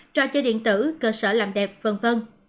trò chơi điện tử cơ sở làm đẹp v v